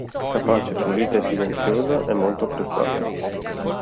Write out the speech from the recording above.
Capace, pulita e silenziosa, è molto apprezzata.